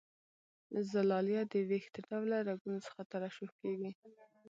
زلالیه د وېښته ډوله رګونو څخه ترشح کیږي.